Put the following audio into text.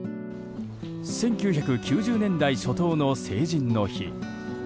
１９９０年代初頭の成人の日。